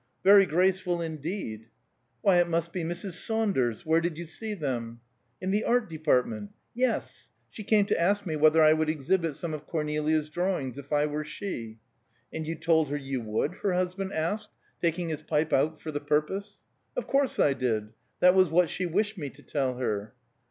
"Very graceful indeed." "Why it must be Mrs. Saunders. Where did you see them?" "In the Art Department." "Yes. She came to ask me whether I would exhibit some of Cornelia's drawings, if I were she." "And you told her you would?" her husband asked, taking his pipe out for the purpose. "Of course I did. That was what she wished me to tell her."